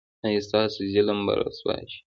ایا ستاسو ظالم به رسوا شي؟